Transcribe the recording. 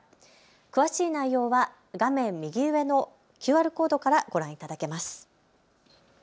詳しい内容は画面右上のＱＲコードからご覧いただけます。